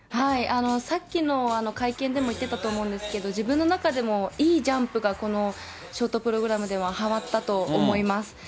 さっきの会見でも言ってたと思うんですけど、自分の中でもいいジャンプが、このショートプログラムでははまったと思います。